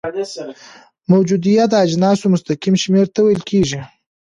موجودیه د اجناسو مستقیم شمیر ته ویل کیږي.